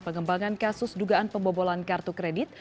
pengembangan kasus dugaan pembobolan kartu kredit